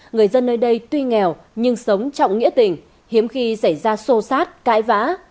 người dân nơi đây tuy nghèo nhưng sống trọng nghĩa tình hiếm khi xảy ra xô xát cãi vã